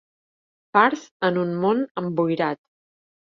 Fars en un món emboirat.